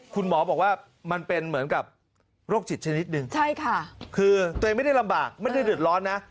คุณหมอบอกว่ามันเป็นเหมือนกับโรคจิตชนิดหนึ่งใช่ค่ะคือตัวเองไม่ได้ลำบากไม่ได้เดือดร้อนนะ